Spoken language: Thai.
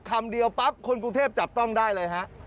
คำเดียวปั๊บคนกรุงเทพจับต้องได้เลยฮะ